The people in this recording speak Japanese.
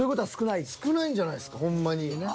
少ないんじゃないですかほんまに。